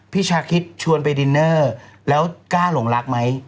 ชาคิดชวนไปดินเนอร์แล้วกล้าหลงรักไหม